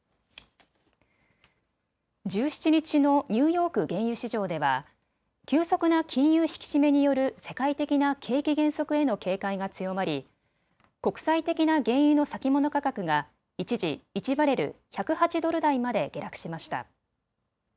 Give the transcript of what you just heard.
１７日のニューヨーク原油市場では急速な金融引き締めによる世界的な景気減速への警戒が強まり国際的な原油の先物価格が一時、１バレル１０８ドル台まで下落しました。